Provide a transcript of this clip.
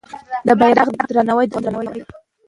د بیرغ درناوی د وطن درناوی دی.